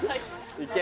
いけ。